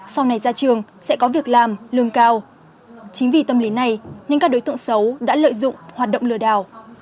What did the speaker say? sau này ra trường sẽ có việc làm lương cao chính vì tâm lý này nên các đối tượng xấu đã lợi dụng hoạt động lừa đảo